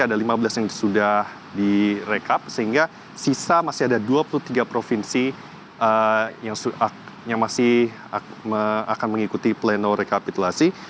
ada lima belas yang sudah direkap sehingga sisa masih ada dua puluh tiga provinsi yang masih akan mengikuti pleno rekapitulasi